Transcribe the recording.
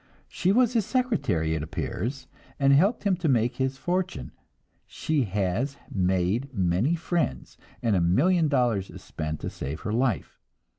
She was his secretary, it appears, and helped him to make his fortune; she has made many friends, and a million dollars is spent to save her life.